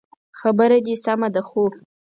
خبره دي سمه ده خو